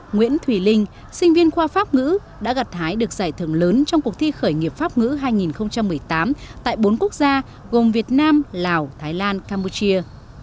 nguyễn thùy linh sinh viên khoa pháp ngữ đã gặt hái được giải thưởng lớn trong cuộc thi khởi nghiệp pháp ngữ hai nghìn một mươi tám tại bốn quốc gia gồm việt nam lào thái lan campuchia